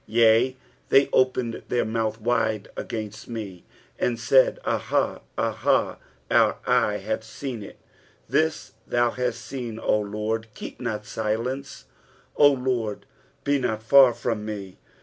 21 Yea, they opened their mouth wide against me, and said, Aha, aha, our eye hath seen it. 22 This thou hast seen, O LORD : keep not silence ; O LORD, be not far from me.